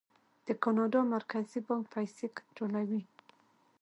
د کاناډا مرکزي بانک پیسې کنټرولوي.